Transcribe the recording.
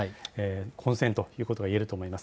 混戦ということがいえると思います。